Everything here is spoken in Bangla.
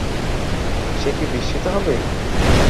সে কি বিস্মিত হবে?